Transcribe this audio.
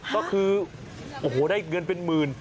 ก็คือโอ้โหได้เงินเป็นหมื่น